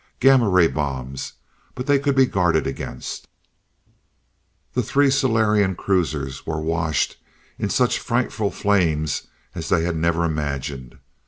Gamma ray bombs but they could be guarded against The three Solarian cruisers were washed in such frightful flame as they had never imagined.